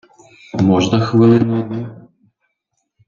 Можна хвилину одну.